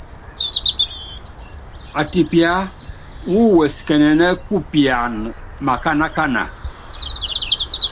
Atipiá wúú wɛsikɛnɛn kupian makánákana.